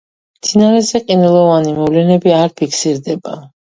მდინარეზე ყინულოვანი მოვლენები არ ფიქსირდება.